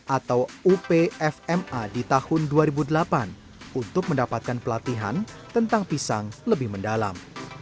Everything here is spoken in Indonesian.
atau upfma di tahun dua ribu delapan untuk mendapatkan pelatihan tentang pisang lebih mendalam